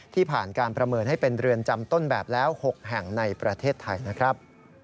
ผ่านการประเมินให้เป็นเรือนจำต้นแบบแล้ว๖แห่งในประเทศไทยนะครับ